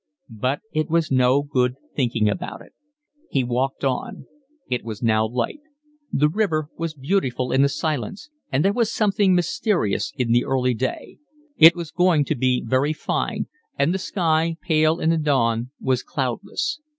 But it was no good thinking about it. He walked on. It was now light: the river was beautiful in the silence, and there was something mysterious in the early day; it was going to be very fine, and the sky, pale in the dawn, was cloudless.